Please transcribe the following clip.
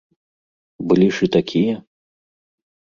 Былі ж і такія.